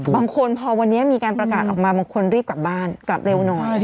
บางคนพอวันนี้มีการประกาศออกมาบางคนรีบกลับบ้านกลับเร็วหน่อย